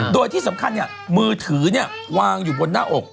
โดยที่สำคัญมือถือวางอยู่บนหน้าอก